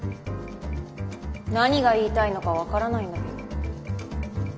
何が言いたいのか分からないんだけど。